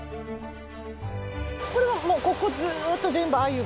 これはここずっと全部あゆが。